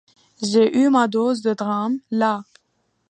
j’ai eu ma dose de drames, là.